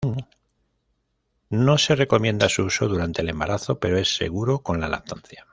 No se recomienda su uso durante el embarazo, pero es seguro con la lactancia.